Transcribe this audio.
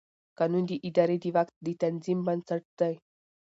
قانون د ادارې د واک د تنظیم بنسټ دی.